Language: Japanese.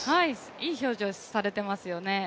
いい表情されてますよね。